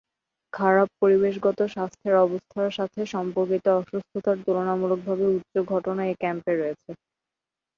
খারাপ পরিবেশগত স্বাস্থ্যের অবস্থার সাথে সম্পর্কিত অসুস্থতার তুলনামূলকভাবে উচ্চ ঘটনা এ ক্যাম্পে রয়েছে।